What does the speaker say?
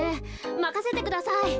まかせてください。